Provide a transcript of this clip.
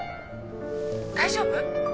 大丈夫？